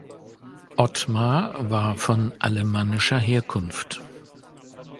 Otmar war von alamannischer Herkunft.